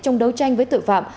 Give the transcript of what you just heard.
trong đấu tranh với tội phạm